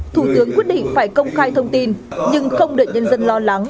thủ tướng quyết định phải công khai thông tin nhưng không để nhân dân lo lắng